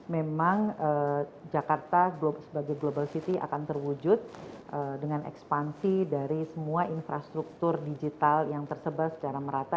memang jakarta sebagai global city akan terwujud dengan ekspansi dari semua infrastruktur digital yang tersebar secara merata